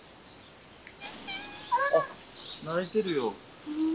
あっ鳴いてるよ。